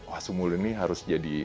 wah sumul ini harus jadi